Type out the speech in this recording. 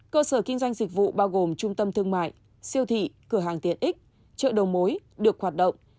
cơ sở kinh doanh dịch vụ bao gồm trung tâm thương mại siêu thị cửa hàng tiện ích chợ đầu mối được hoạt động